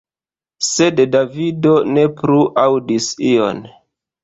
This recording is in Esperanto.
Sed Davido ne plu aŭdis ion.